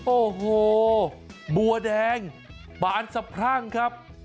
โอ้โหบัวแดงบานสะพรั่งครับ